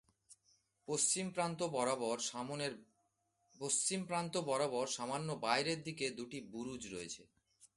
পশ্চিম প্রান্ত বরাবর সামান্য বাইরের দিকে দুটি বুরুজ রয়েছে।